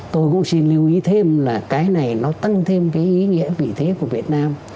tôi cũng xin lưu ý thêm là cái này nó tăng thêm cái ý nghĩa vị thế của việt nam